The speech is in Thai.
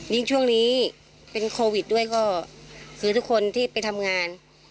ช่วงนี้เป็นโควิดด้วยก็คือทุกคนที่ไปทำงาน